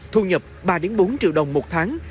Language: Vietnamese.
thu nhập ba bốn triệu đồng một tháng